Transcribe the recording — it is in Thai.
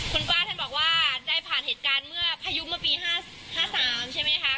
คุณป้าท่านบอกว่าได้ผ่านเหตุการณ์เมื่อพายุเมื่อปี๕๓ใช่ไหมคะ